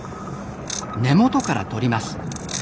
根元からとります。